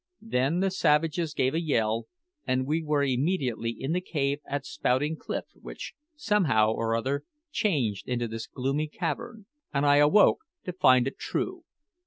Then the savages gave a yell, and we were immediately in the cave at Spouting Cliff, which, somehow or other changed into this gloomy cavern; and I awoke to find it true."